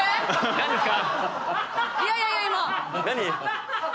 何ですか？